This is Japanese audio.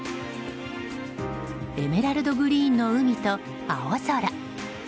エメラルドグリーンの海と青空。